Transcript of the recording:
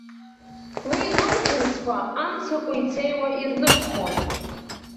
Уи лылаӷырӡқәа амца кәеицеиуа ирныԥхон.